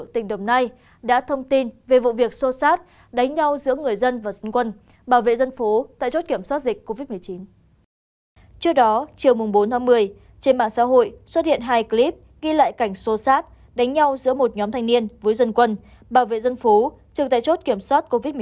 trên mạng xã hội xuất hiện hai clip ghi lại cảnh xô xát đánh nhau giữa một nhóm thanh niên với dân quân bảo vệ dân phố trừng tại chốt kiểm soát covid một mươi chín